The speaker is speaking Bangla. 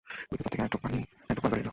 বৃদ্ধ তার থেকে এক ঢোক পান করে রেখে দিল।